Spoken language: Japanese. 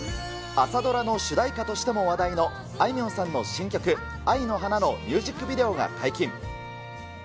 朝ドラの主題歌としても話題のあいみょんさんの新曲、愛の花のミュージックビデオが解禁。